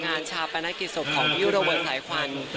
งานชะพนักกิจศพของพี่โรเบิร์ตสายควัน